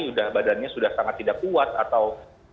sudah badannya sudah sangat tidak kuat atau